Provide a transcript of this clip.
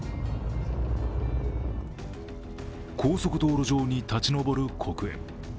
高速道路上に立ち上る黒煙。